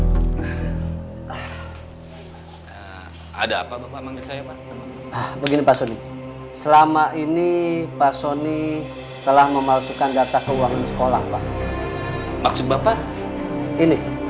hai ada apa apa mungkin saya lord begini pes concerning selama ini basket seneg telah memalsukan data keuangan sekolah maksud bapak ini